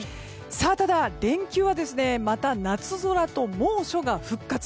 ただ、連休はまた、夏空と猛暑が復活。